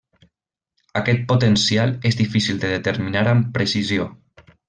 Aquest potencial és difícil de determinar amb precisió.